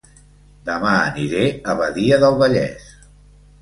Dema aniré a Badia del Vallès